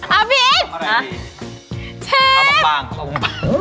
อ้าวพีชชิบเอามาบ้างเอามาบ้าง